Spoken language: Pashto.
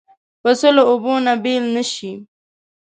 پسه له اوبو نه بېل نه شي.